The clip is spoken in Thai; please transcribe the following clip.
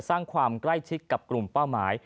สร้างความใกล้ชิดกับกลุ่มเป้าหมาย